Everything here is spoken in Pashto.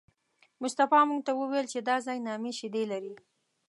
مصطفی موږ ته وویل چې دا ځای نامي شیدې لري.